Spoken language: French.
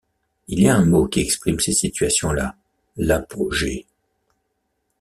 Il y a un mot qui exprime ces situations-là, l’apogée.